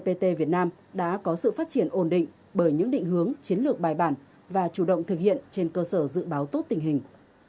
cơ khí xây dựng cpt việt nam đã có sự phát triển ổn định bởi những định hướng chiến lược bài bản và chủ động thực hiện trên cơ sở dự báo tốt tình hình